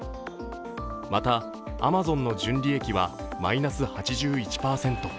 またアマゾンの純利益はマイナス８１％。